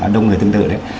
đông người tương tự đấy